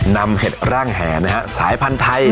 เห็ดร่างแห่นะฮะสายพันธุ์ไทย